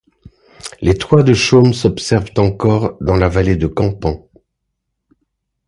Les toits de chaume s'observent encore dans la vallée de Campan.